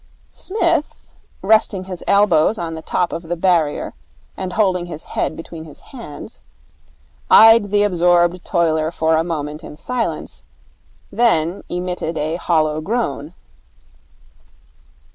Psmith, resting his elbows on the top of the barrier and holding his head between his hands, eyed the absorbed toiler for a moment in silence, then emitted a hollow groan.